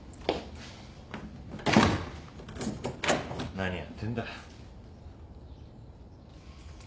何やってんだ？